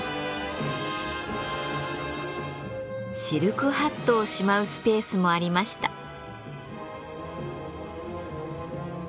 シルクハットをしまうスペースもありました。